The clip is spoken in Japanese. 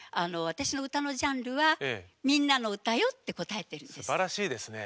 「私の歌のジャンルは『みんなのうた』よ」って答えてるんです。